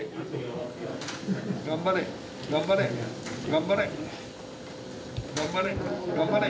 頑張れ頑張れ頑張れ！